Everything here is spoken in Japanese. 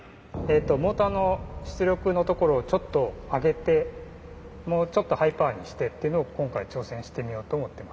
モーターの出力のところをちょっと上げてもうちょっとハイパワーにしてってのを今回挑戦してみようと思っています。